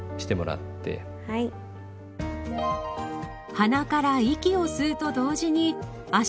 鼻から息を吸うと同時に足首を手前に。